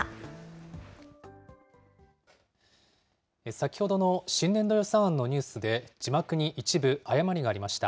先ほどの新年度予算案のニュースで、字幕に一部、誤りがありました。